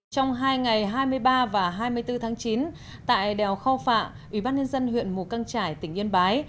trong hai ngày hai mươi ba và hai mươi bốn tháng chín tại đèo khao phạ ủy ban nhân dân huyện mù căng trải tỉnh yên bái